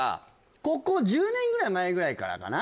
ここ１０年ぐらい前ぐらいからかな